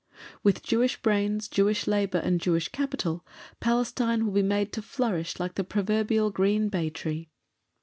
With Jewish brains, Jewish labour, and Jewish capital, Palestine will be made to flourish like the proverbial green bay tree.